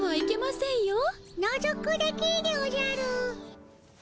・のぞくだけでおじゃる。